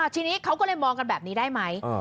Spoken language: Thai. ทีนี้เขาก็เลยมองกันแบบนี้ได้ไหม